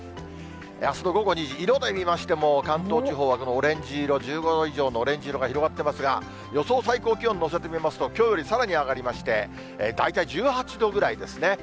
あすの午後２時、色で見ましても、関東地方はこのオレンジ色、１５度以上のオレンジ色が広がっていますが、予想最高気温のせてみますと、きょうよりさらに上がりまして、大体１８度ぐらいですね。